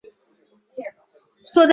坐在休息室里面休息